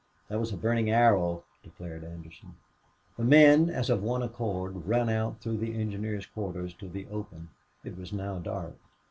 "That was a burnin' arrow," declared Anderson. The men, as of one accord, ran out through the engineers' quarters to the open. It was now dark.